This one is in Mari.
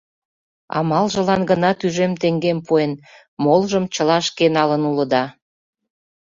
Амалжылан гына тӱжем теҥгем пуэн, молыжым чыла шке налын улыда.